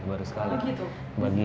baru sekali ya